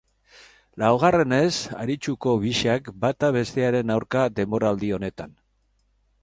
Laugarrenez arituko biak bata bestearen aurka denboraldi honetan.